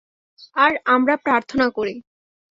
আর আমরা প্রার্থনা করি।